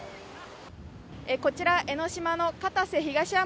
こちら江ノ島の片瀬東浜